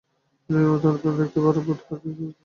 বিনয়ের মনে অত্যন্ত একটা ভার বোধ হইতে লাগিল।